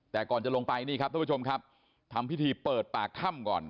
แต่ก่อนจะลงไปนี่ครับท่านผู้ชมครับทำพิธีเปิดปากถ้ำก่อน